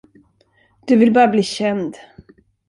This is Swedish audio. Du vill bara bli känd.